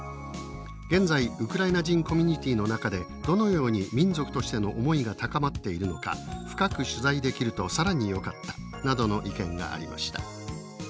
現在ウクライナ人コミュニティーの中でどのように民族としての思いが高まっているのか深く取材できると更によかった」などの意見がありました。